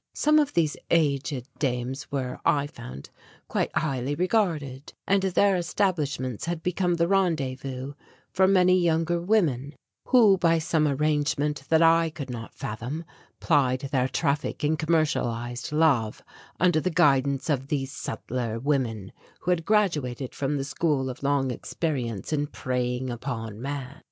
Some of these aged dames were, I found, quite highly regarded and their establishments had become the rendezvous for many younger women who by some arrangement that I could not fathom plied their traffic in commercialized love under the guidance of these subtler women who had graduated from the school of long experience in preying upon man.